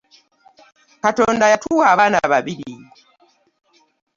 Katonda yatuwa abaana babiri.